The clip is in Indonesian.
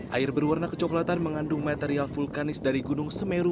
air berwarna kecoklatan mengandung material vulkanis dari gunung semeru